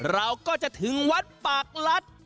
เราก็จะถึงวัดปากลัด